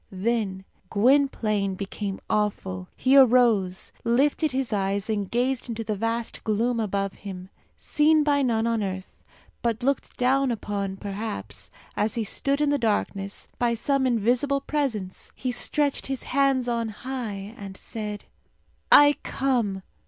Then Gwynplaine became awful. He arose, lifted his eyes, and gazed into the vast gloom above him. Seen by none on earth, but looked down upon, perhaps, as he stood in the darkness, by some invisible presence, he stretched his hands on high, and said, "I come!"